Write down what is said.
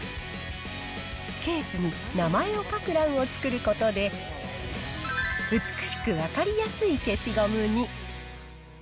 ケースに名前を書く欄を作ることで、美しく分かりやすい消しゴムに。